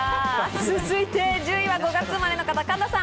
続いて１０位は５月生まれの方、神田さん。